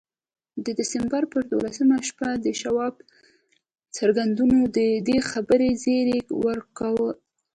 د ډسمبر پر دولسمه شپه د شواب څرګندونو د دې خبرې زيري ورکاوه.